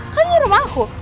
kan ini rumah aku